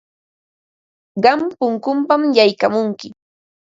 Qam punkunpam yaykamunki.